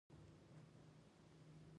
موږ چې کېناستو؛ احمد سم له لاسه ډوډۍ راوړه.